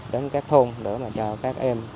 đến các thôn để cho các em